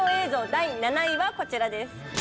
第７位はこちらです。